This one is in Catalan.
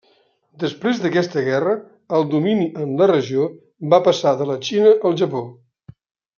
Després d'aquesta guerra, el domini en la regió va passar de la Xina al Japó.